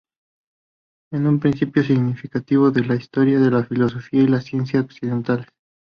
Es un principio significativo de la historia de la filosofía y la ciencia occidentales.